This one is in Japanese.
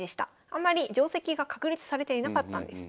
あんまり定跡が確立されていなかったんです。